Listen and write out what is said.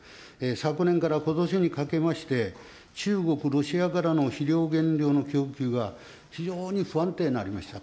昨年からことしにかけまして、中国、ロシアからの肥料原料の供給が、非常に不安定になりました。